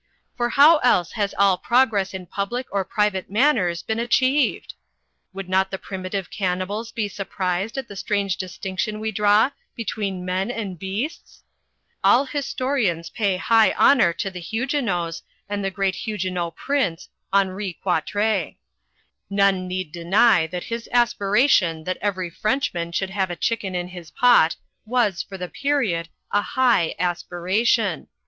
For how else has all progress in public or private man ners been achieved? Would not the primitive can nibals be siu prised at the strange distinction we draw between men and beasts ? All historians pay high hon our to the Huguenots, and the great Huguenot Prince, Henri Quatre. None need deny that his aspiration that every Frenchman should have a chicken in his pot was, for his period, a high aspiration.